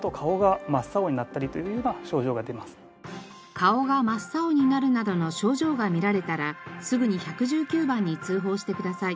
顔が真っ青になるなどの症状が見られたらすぐに１１９番に通報してください。